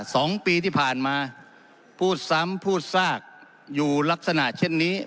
สองปีที่ผ่านมาพูดซ้ำพูดซากอยู่ลักษณะเช่นนี้